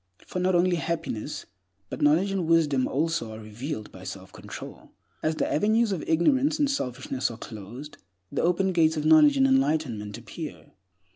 For not only happiness, but knowledge and wisdom also are revealed by self control. As the avenues of ignorance and selfishness are closed, the open gates of knowledge and enlightenment appear.